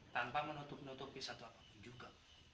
tanpa menutup nutupi satu apapun juga